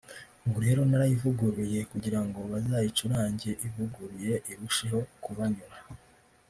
ubu rero narayivuguruye kugirango bazayicurange ivuguruye irusheho kubanyura”